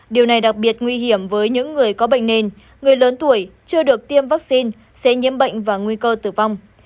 điều này đặc biệt nguy hiểm với những người có bệnh nền người lớn tuổi chưa được tiêm vaccine sẽ nhiễm bệnh và nguy cơ tử vong